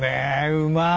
うまい。